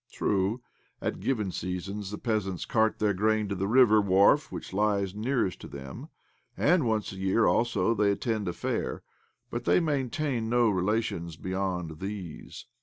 OBLOMOV 83 True, at given seasons the peasants cart their grain to the river wharf which lies nearest to them, and once a year, also, they, attend a fair ; but they maintain no relations beyond these.